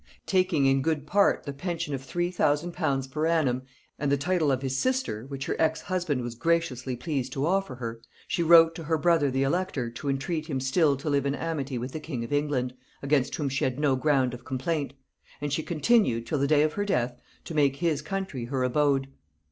Taking in good part the pension of three thousand pounds per annum, and the title of his sister which her ex husband was graciously pleased to offer her, she wrote to her brother the elector to entreat him still to live in amity with the king of England, against whom she had no ground of complaint; and she continued, till the day of her death, to make his country her abode.